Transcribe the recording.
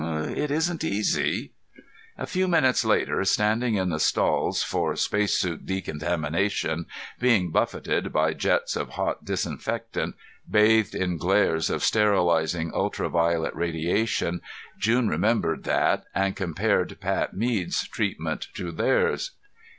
"It isn't easy." A few minutes later, standing in the stalls for spacesuit decontamination, being buffeted by jets of hot disinfectant, bathed in glares of sterilizing ultraviolet radiation, June remembered that and compared Pat Mead's treatment to theirs.